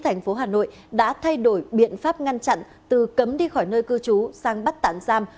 thành phố hà nội đã thay đổi biện pháp ngăn chặn từ cấm đi khỏi nơi cư trú sang bắt tạm giam